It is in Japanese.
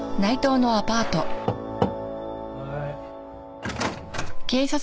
・はい。